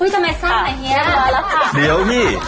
เหี้ยเดี๋ยวพี่